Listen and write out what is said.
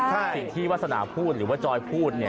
สิ่งที่วาสนาพูดหรือว่าจอยพูดเนี่ย